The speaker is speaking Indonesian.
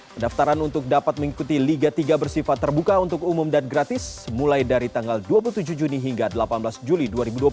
pendaftaran untuk dapat mengikuti liga tiga bersifat terbuka untuk umum dan gratis mulai dari tanggal dua puluh tujuh juni hingga delapan belas juli dua ribu dua puluh satu